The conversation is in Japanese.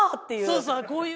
そうそうこういう。